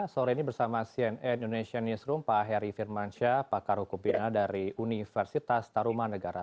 sore ini bersama cnn indonesian newsroom pak heri firmansyah pakar hukum pna dari universitas tarumanegara